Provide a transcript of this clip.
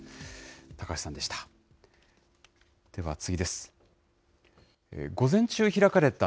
高橋さんでした。